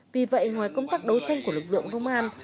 vì vậy ngoài công tác đấu tranh của lực lượng công an